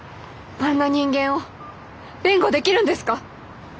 あんな人間を弁護できるんですか？